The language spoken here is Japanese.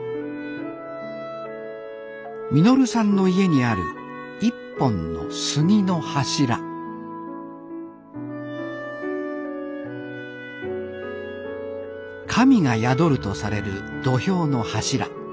稔さんの家にある一本の杉の柱神が宿るとされる土俵の柱。